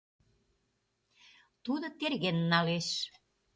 Тудо терген налеш.